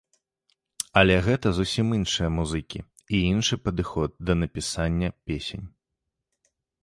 Але гэта зусім іншыя музыкі, і іншы падыход да напісання песень.